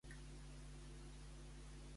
Tothom sabia que Italianer es jubilava?